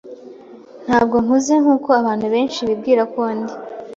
Ntabwo nkuze nkuko abantu benshi bibwira ko ndi.